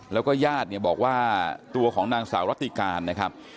แล้วก็ญาติเนี่ยบอกว่าตัวของนางสาวรัติการนะครับ